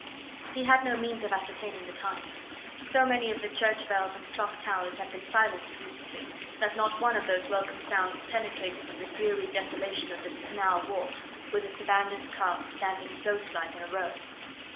He had no means of ascertaining the time. So many of the church bells and clock towers had been silenced recently that not one of those welcome sounds penetrated to the dreary desolation of this canal wharf, with its abandoned carts standing ghostlike in a row.